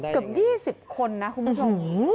เกือบ๒๐คนนะคุณผู้ชม